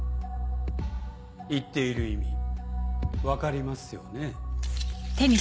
言っている意味分かりますよね？